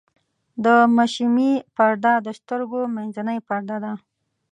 د مشیمیې پرده د سترګې منځنۍ پرده ده.